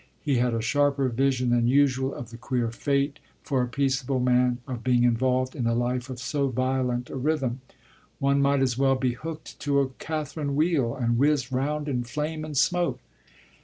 He had a sharper vision than usual of the queer fate, for a peaceable man, of being involved in a life of so violent a rhythm: one might as well be hooked to a Catharine wheel and whiz round in flame and smoke.